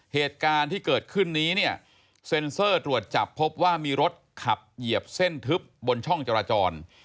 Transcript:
เหตุการณ์ที่เกิดขึ้นนี้เนี่ยเซ็นเซอร์ตรวจจับพบว่ามีรถขับเหยียบเส้นทึบบนช่องจราจร